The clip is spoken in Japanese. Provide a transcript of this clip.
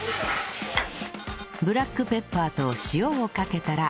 ブラックペッパーと塩をかけたら